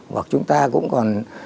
hoặc chúng ta cũng còn